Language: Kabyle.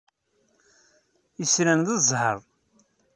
Islan d ẓẓhṛ.